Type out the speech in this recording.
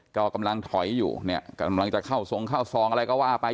ก็กำลังถอยอยู่เนี่ยกำลังจะเข้าทรงเข้าซองอะไรก็ว่าไป